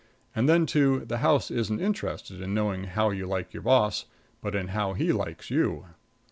And then, too, the house isn't interested in knowing how you like your boss, but in how he likes you.